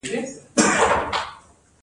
بغلان د کوم کان لپاره مشهور دی؟